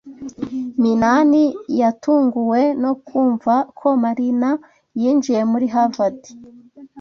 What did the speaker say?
Minani yatunguwe no kumva ko Marina yinjiye muri Harvard.